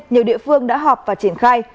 nhiều địa phương đã họp và triển khai